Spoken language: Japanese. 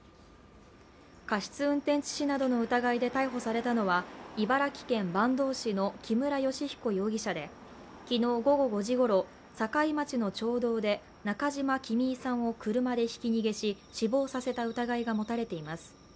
過失運転致死などの疑いで逮捕されたのは茨城県坂東市の木村良彦容疑者で昨日午後５時ごろ、境町の町道で中島きみいさんを車でひき逃げし、死亡させた疑いが持たれています。